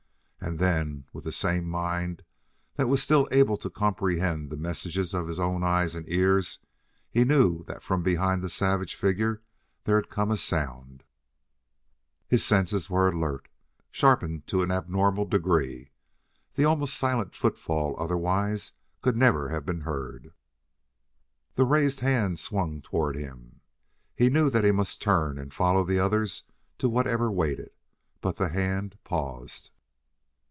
And then, with the same mind that was still able to comprehend the messages of his own eyes and ears, he knew that from behind the savage figure there had come a sound. His senses were alert, sharpened to an abnormal degree; the almost silent footfall otherwise could never have been heard. The raised hand swung toward him; he knew that he must turn and follow the others to whatever awaited.... But the hand paused!